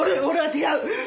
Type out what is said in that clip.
違う！